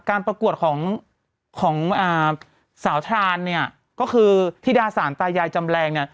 การปรากฏของสาวทานเนี่ยก็คือขณะอาบฐานที่ที่ดาสารตายายจำแรง